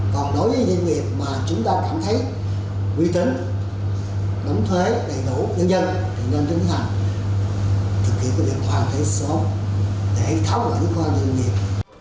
còn đối với doanh nghiệp mà chúng ta cảm thấy quý tính đóng thuế đầy đủ nhân dân thì nên tính hành thực hiện một việc hoàn thuế sớm để tháo bệnh cho doanh nghiệp